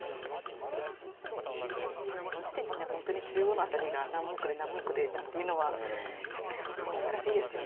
でもこの時点で本当に中央の辺りが何目で何目でなんていうのはやっぱり相当難しいですよね。